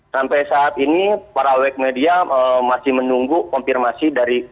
sampai saat ini para awak media masih menunggu konfirmasi dari